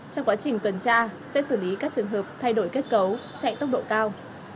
trong quá trình tuần tra sẽ xử lý các trường hợp thay đổi kết cấu chạy tốc độ cao